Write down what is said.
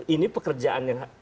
ini pekerjaan yang